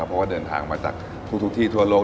เพราะว่าเดินทางมาจากทุกที่ทั่วโลก